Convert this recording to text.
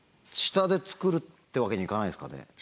下で作るってわけにいかないですかね？